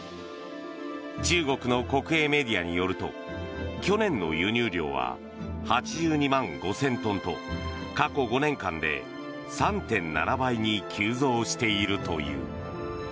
中国の国営メディアによると去年の輸入量は８２万５０００トンと過去５年間で３．７倍に急増しているという。